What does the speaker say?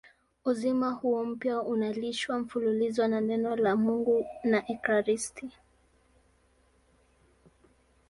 Uzima huo mpya unalishwa mfululizo na Neno la Mungu na ekaristi.